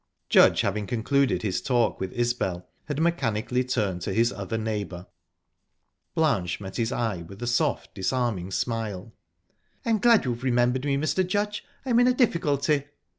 Judge, having concluded his talk with Isbel, had mechanically turned to his other neighbour. Blanche met his eye with a soft, disarming smile. "I'm glad you've remembered me, Mr. Judge. I'm in a difficulty."